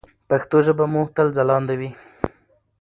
پښتو ژبه مو تل ځلانده وي.